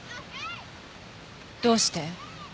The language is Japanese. どうして？